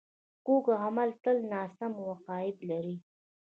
کوږ عمل تل ناسم عواقب لري